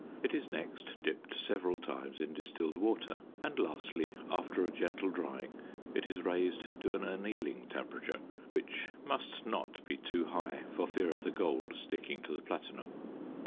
It is next dipped several times in distilled water and lastly, after a gentle drying, it is raised to an annealing temperature which must not be too high for fear of the gold sticking to the platinum.